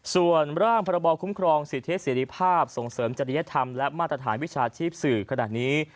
ส่วนร่างพรบคุ้มครองสิทธิเสรีภาพส่งเสริมจริยธรรมและมาตรฐานวิชาชีพสื่อขนาดนี้